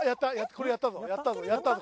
これやったぞ。